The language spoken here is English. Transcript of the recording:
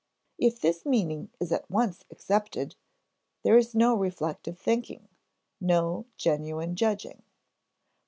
If this meaning is at once accepted, there is no reflective thinking, no genuine judging.